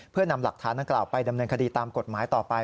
เพื่อนำหลักฐานดังกล่าวไปดำเนินคดีตามกฎหมายต่อไป